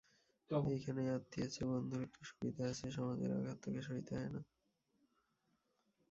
এইখানেই আত্মীয়ের চেয়ে বন্ধুর একটু সুবিধা আছে, সমাজের আঘাত তাকে সইতে হয় না।